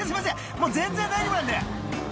もう全然大丈夫なんで］